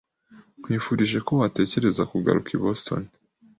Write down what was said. Nkwifurije ko watekereza kugaruka i Boston.